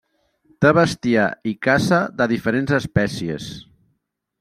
Té bestiar i caça de diferents espècies.